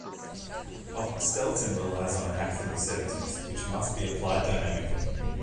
Opstelten relies on an Act from the seventies, which must be applied dynamically.